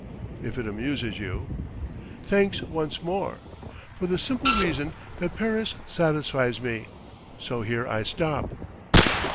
"If it amuses you." "Thanks once more! ... For the simple reason that Paris satisfies me; so here I stop."